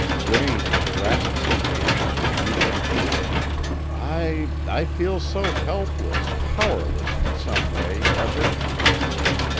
Braine grasps his hand in mute appeal: "I I feel so helpless, powerless in some way, Everet."